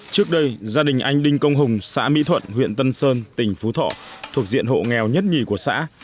trước đây gia đình anh đinh công hùng xã mỹ thuận huyện tân sơn tỉnh phú thọ thuộc diện hộ nghèo nhất nhì của xã